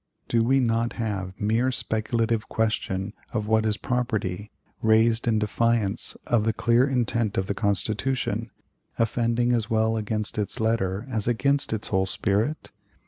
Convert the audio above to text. Do we not have mere speculative question of what is property raised in defiance of the clear intent of the Constitution, offending as well against its letter as against its whole spirit?